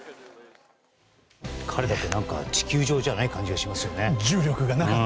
彼だけ地球上じゃない感じがしますよね。